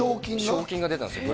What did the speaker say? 賞金が出たんですよ